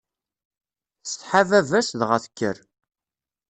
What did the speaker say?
Tsetḥa baba-s, dɣa tekker.